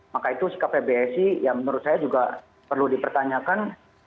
maka itu sikap pbsi ya menurut saya juga perlu dipertanyakan